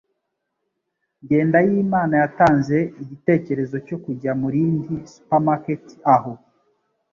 Jyendayimana yatanze igitekerezo cyo kujya mu rindi supermarket aho.